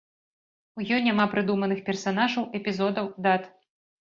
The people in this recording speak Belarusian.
У ёй няма прыдуманых персанажаў, эпізодаў, дат.